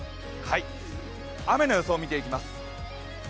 雨の予想見ていきます。